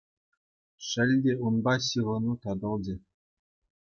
Шел те, унпа ҫыхӑну татӑлчӗ.